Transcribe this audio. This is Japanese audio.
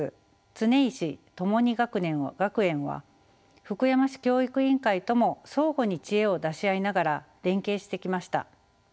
常石ともに学園は福山市教育委員会とも相互に知恵を出し合いながら連携してきました。